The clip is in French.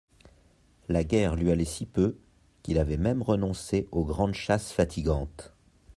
La guerre lui allait si peu, qu'il avait même renoncé aux grandes chasses fatigantes.